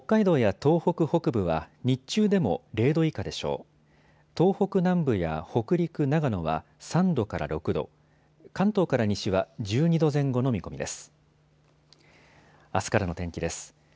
東北南部や北陸、長野は３度から６度、関東から西は１２度前後の見込みです。